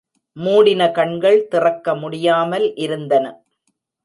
மூடின கண்கள் திறக்க முடியாமல் இருந்தன.